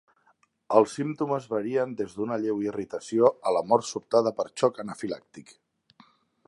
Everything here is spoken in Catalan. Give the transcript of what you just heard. Els símptomes varien des d'una lleu irritació a la mort sobtada per xoc anafilàctic.